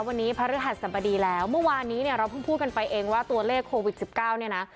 วันนี้พระฤหัสสบดีแล้วเมื่อวานนี้เนี่ยเราเพิ่งพูดกันไปเองว่าตัวเลขโควิด๑๙เนี่ยนะ